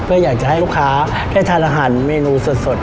เพื่ออยากจะให้ลูกค้าได้ทานอาหารเมนูสด